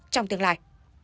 trong tương lai